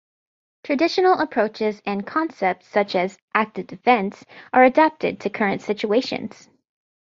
Traditional approaches and concepts such as "active defense" are adapted to current situations.